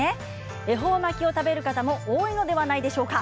恵方巻きを食べる方も多いのではないでしょうか。